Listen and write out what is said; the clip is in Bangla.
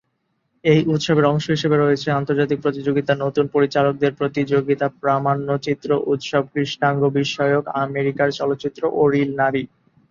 এই উৎসবের অংশ হিসেবে রয়েছে আন্তর্জাতিক প্রতিযোগিতা, নতুন পরিচালকদের প্রতিযোগিতা, প্রামাণ্যচিত্র উৎসব, কৃষ্ণাঙ্গ বিষয়ক, আমেরিকার চলচ্চিত্র, ও রিল নারী।